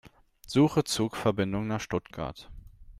Suche Zugverbindungen nach Stuttgart.